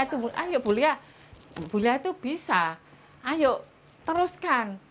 iya belia belia itu bisa ayo teruskan